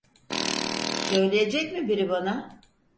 Söyleyecek mi biri bana?